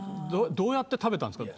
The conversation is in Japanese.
どうやって食べたんですか。